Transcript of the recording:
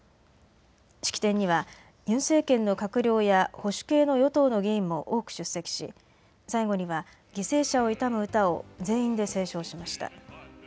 式典にはユン政権の閣僚や保守系の与党の議員も多く出席し最後には犠牲者を悼む歌を全員で斉唱しました。